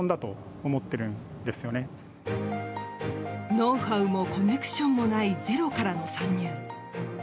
ノウハウもコネクションもないゼロからの参入。